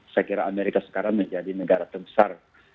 saya kira amerika sekarang menjadi negara terbesar